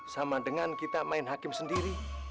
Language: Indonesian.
sama dengan kita main hakim sendiri